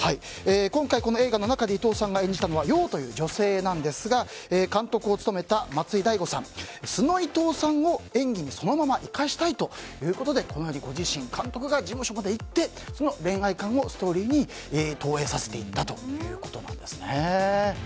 今回、映画の中で伊藤さんが演じたのは葉という女性ですが監督を務めた松居大悟さんは素の伊藤さんを演技にそのまま生かしたいということでご自身、監督が事務所まで行ってその恋愛観をストーリーに投影させていったということです。